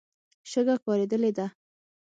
شګه کارېدلې ده.